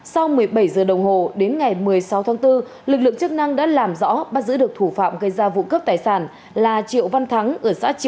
sau một mươi bảy giờ đồng hồ đến ngày một mươi sáu tháng bốn lực lượng chức năng đã làm rõ bắt giữ được thủ phạm gây ra vụ cướp tài sản là triệu văn thắng ở xã trà